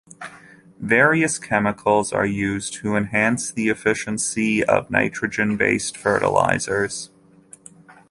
Various chemicals are used to enhance the efficiency of nitrogen-based fertilizers.